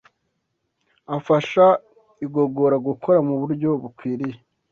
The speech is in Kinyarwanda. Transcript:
afasha igogora gukora mu buryo bukwiriye.